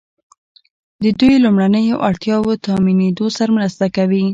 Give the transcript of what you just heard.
د دوی لومړنیو اړتیاوو تامینیدو سره مرسته کوي.